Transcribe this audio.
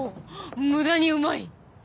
無駄にうまい！